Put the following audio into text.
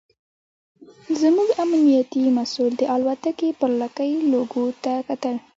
زموږ امنیتي مسوول د الوتکې پر لکۍ لوګو ته کتل.